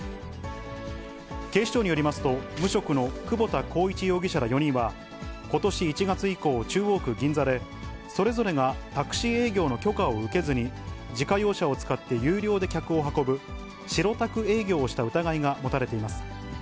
警視庁によりますと、無職の久保田耕一容疑者ら４人は、ことし１月以降、中央区銀座で、それぞれがタクシー営業の許可を受けずに、自家用車を使って有料で客を運ぶ白タク営業をした疑いが持たれています。